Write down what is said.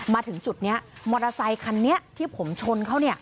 มาถึงจุดนี้มอเตอร์ไซคันนี้ที่ผมชนเขา